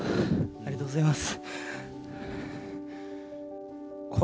ありがとうございます。